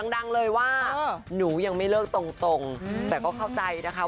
ก็มีทุกคนโดนด่าโดนดราม่าทุกคนต้องมีความรู้สึกอยู่แล้ว